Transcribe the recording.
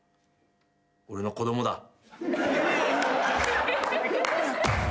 俺の子供だ。